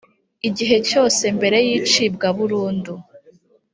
igihe cyose mbere y icibwa burundu